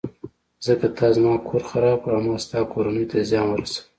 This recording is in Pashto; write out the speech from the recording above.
ځکه تا زما کور خراب کړ او ما ستا کورنۍ ته زیان ورساوه.